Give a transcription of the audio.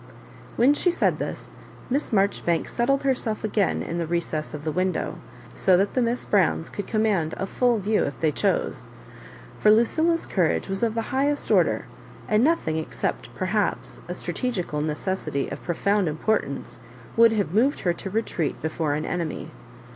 When she said this, Miss Marjoribanks settled herself again in the recess of the window, so that the Miss Browns could command a full view if they chose; for Lucilla's courage was of the high Digitized by VjOOQIC 28 HISS MABJOBIBAKES. est order, and nothing, except, perhaps, a stra tegical necessity of profound importance, would have moved her to retreat before an enemy.